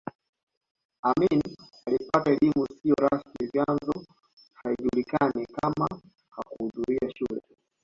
Amin alipata elimu isiyo rasmi vyanzo haijulikani kama hakuhudhuria shule